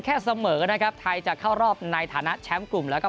เสมอนะครับไทยจะเข้ารอบในฐานะแชมป์กลุ่มแล้วก็